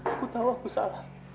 aku tahu aku salah